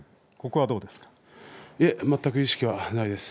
全く意識はないです。